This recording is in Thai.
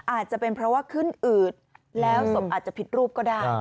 อาจจะเป็นเพราะว่าขึ้นอืดแล้วศพอาจจะผิดรูปก็ได้